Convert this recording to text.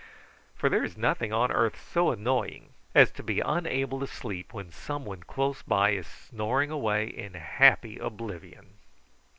For there is nothing on earth so annoying as to be unable to sleep when some one close by is snoring away in happy oblivion.